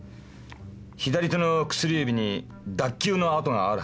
左手の薬指に脱臼の跡があるはずです。